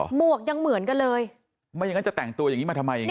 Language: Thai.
หวกยังเหมือนกันเลยไม่อย่างนั้นจะแต่งตัวอย่างงีมาทำไมอย่างงี